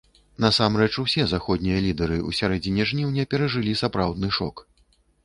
Насамрэч, усе заходнія лідэры ў сярэдзіне жніўня перажылі сапраўдны шок.